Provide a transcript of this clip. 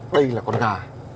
đây là con gà